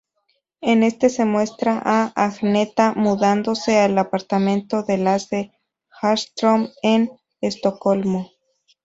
En este se muestra a Agnetha mudándose al apartamento de Lasse Hallström en Estocolmo.